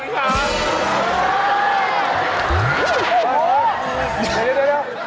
เดี๋ยวเดี๋ยว